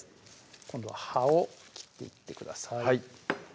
今度は葉を切っていってください